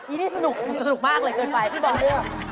อีนี่สนุกสนุกมากเลยเกินไป